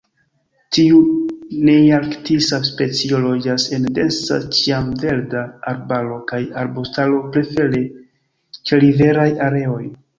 Tiu nearktisa specio loĝas en densa ĉiamverda arbaro kaj arbustaro, prefere ĉeriveraj areoj.